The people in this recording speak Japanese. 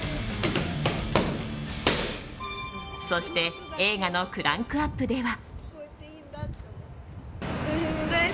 そして映画のクランクアップでは。